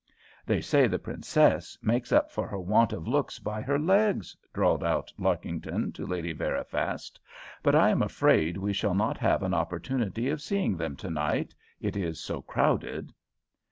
"They say the Princess makes up for her want of looks by her legs," drawled out Larkington to Lady Veriphast; "but I am afraid we shall not have an opportunity of seeing them to night, it is so crowded."